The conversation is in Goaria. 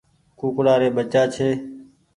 ڪوڪڙآ ري ٻچآ ڇي۔